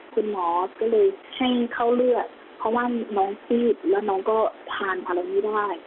คุณหมอก็เลยให้เข้าเลือดเพราะว่าน้องซีบแล้วน้องก็ทานอะไรไม่ได้